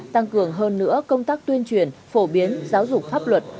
tăng cường hơn nữa công tác tuyên truyền phổ biến giáo dục pháp luật